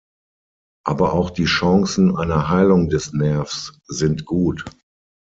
Aber auch die Chancen einer Heilung des Nervs sind gut.